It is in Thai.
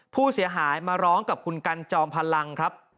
ผู้เสียหายมาร้องกับคุณกันจอมพลังครับ